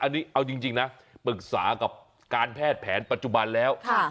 อันนี้เอาจริงนะปรึกษากับการแพทย์แผนปัจจุบันแล้ว